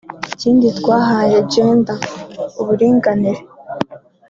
Ikindi twahaye Gender (uburinganire)